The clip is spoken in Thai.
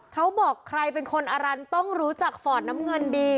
เขาบอกใครเป็นคนอรันต้องรู้จักฟอร์ดน้ำเงินดี